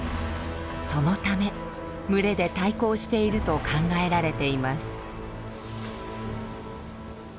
そのため群れで対抗していると考えられています。